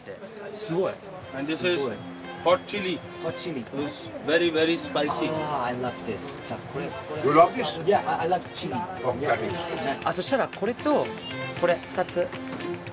すごい。そしたらこれとこれ２つ。